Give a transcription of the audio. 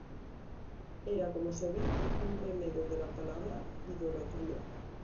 Era, como se ve, un remedo de la palabra idolatría.